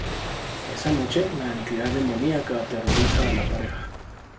Esa noche, la entidad demoníaca aterroriza a la pareja.